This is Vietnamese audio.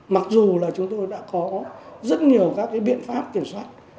mặc dù là chúng tôi đã có rất nhiều các biện pháp kiểm soát